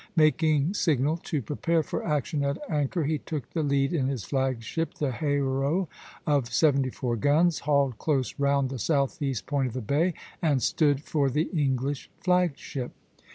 Making signal to prepare for action at anchor, he took the lead in his flag ship, the "Héros," of seventy four guns, hauled close round the southeast point of the bay, and stood for the English flag ship (f).